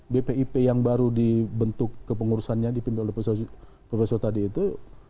bpip yang baru dibentuk kepengurusannya di pimpinan udah perso tadi itu